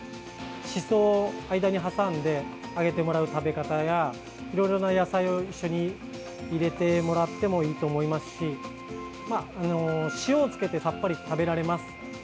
しそを間に挟んで揚げてもらう食べ方やいろいろな野菜を一緒に入れてもらってもいいと思いますし塩をつけてさっぱり食べられます。